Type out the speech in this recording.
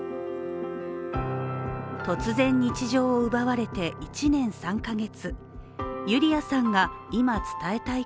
突然日常を奪われて１年３か月。